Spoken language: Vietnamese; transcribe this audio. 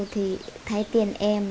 thì thấy tiền em